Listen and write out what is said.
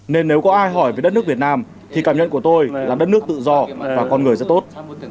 nên nếu có ai hỏi về đất nước việt nam thì cảm nhận của tôi là đất nước tự do và con người rất tốt